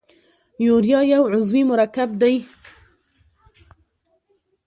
یوریا یو عضوي مرکب دی.